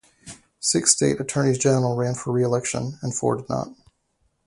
Six state attorneys general ran for reelection and four did not.